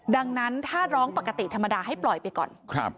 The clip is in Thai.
ดังนั้นถ้าร้องปกติธรรมดาให้ปล่อยไปก่อน